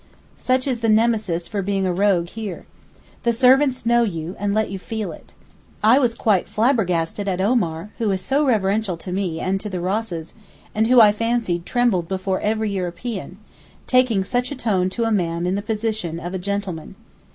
Such is the Nemesis for being a rogue here. The servants know you, and let you feel it. I was quite 'flabbergasted' at Omar, who is so reverential to me and to the Rosses, and who I fancied trembled before every European, taking such a tone to a man in the position of a 'gentleman.